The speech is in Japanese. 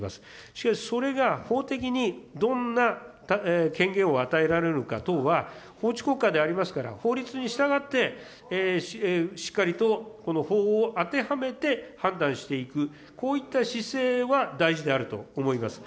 しかし、それが法的にどんな権限を与えられるのか等は法治国家でありますから、法律に従って、しっかりとこの法を当てはめて判断していく、こういった姿勢は大事であると思います。